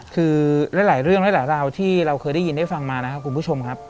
คือหลายเรื่องหลายราวที่เราเคยได้ยินได้ฟังมานะครับคุณผู้ชมครับ